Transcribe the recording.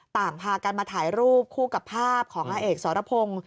ต่างพากันมาถ่ายรูปคู่กับภาพของอาเอกสรพงศ์